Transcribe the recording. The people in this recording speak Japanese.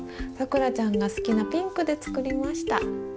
さくらちゃんが好きなピンクで作りました。